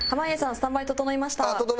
スタンバイ整いました。